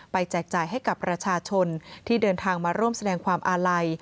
แจกจ่ายให้กับประชาชนที่เดินทางมาร่วมแสดงความอาลัย